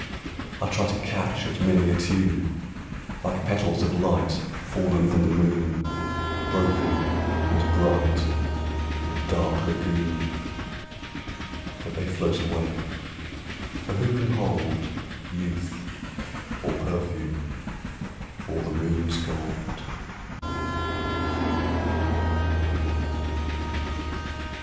I try to catch at many a tune Like petals of light fallen from the moon, Broken and bright on a dark lagoon, But they float away for who can hold Youth, or perfume or the moon's gold?